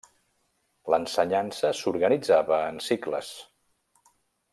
L'ensenyança s'organitzava en cicles.